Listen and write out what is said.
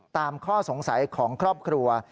ข้อสงสัยของครอบครัว